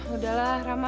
udah lah rama